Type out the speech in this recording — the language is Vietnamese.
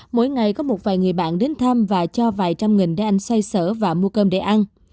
mỗi ngày có một vài người bạn đến thăm và cho vài trăm nghìn để anh xoay sở và mua cơm để ăn